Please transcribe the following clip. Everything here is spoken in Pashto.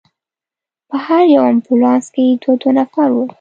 په هر یو امبولانس کې دوه دوه نفره ول.